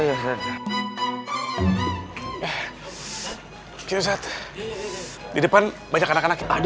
tidur brigade depan banyak anak ada ada adik